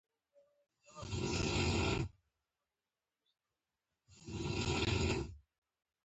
قیمت د مارکیټ د حالت له مخې بدلېږي.